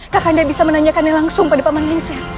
kakanda bisa menanyakannya langsung pada paman lengsel